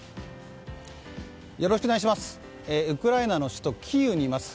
ウクライナの首都キーウにいます。